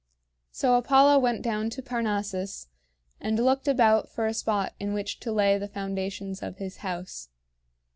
So Apollo went down to Parnassus, and looked about for a spot in which to lay the foundations of his house.